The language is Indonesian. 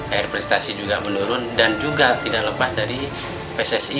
air prestasi juga menurun dan juga tidak lepas dari pssi